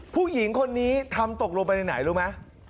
ผู้หญิงคนนี้ทำตกลงไปในไหนรู้ไหม